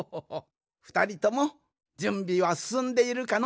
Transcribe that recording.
ふたりともじゅんびはすすんでいるかの？